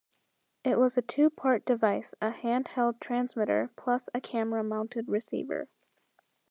It was a two part device: a handheld transmitter plus a camera mounted receiver.